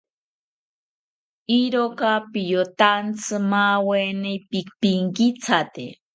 Iroka piyotantzi, maweni pipinkithate